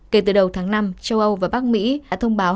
kể từ đầu tháng năm châu âu và bắc mỹ đã thông báo